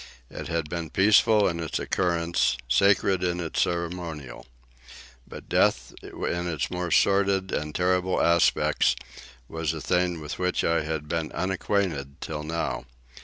It had been peaceful in its occurrence, sacred in its ceremonial. But death in its more sordid and terrible aspects was a thing with which I had been unacquainted till now.